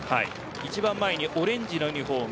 一番前のオレンジのユニホーム